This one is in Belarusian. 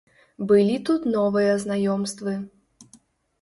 Былі тут новыя знаёмствы.